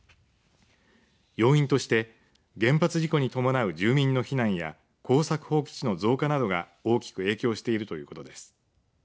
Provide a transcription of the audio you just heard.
要因として原発事故に伴う住民の避難や耕作放棄地の増加などが大きく影響しているということです。